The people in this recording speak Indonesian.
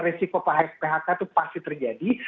resiko phk itu pasti terjadi